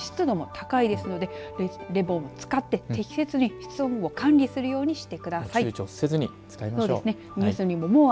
湿度も高いですので冷房も使って適切に室温を管理するようにしてください。